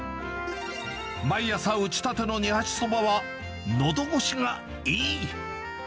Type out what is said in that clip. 毎朝、打ちたての二八そばはのど越しがいい。